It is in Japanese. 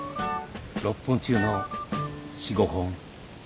６本中の４５本。